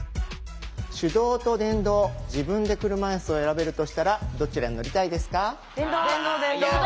手動と電動自分で車いすを選べるとしたらどちらに乗りたいですか？